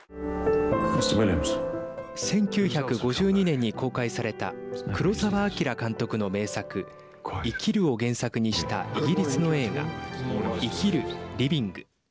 １９５２年に公開された黒澤明監督の名作生きるを原作にしたイギリスの映画生きるＬＩＶＩＮＧ。